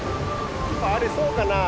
あれそうかな。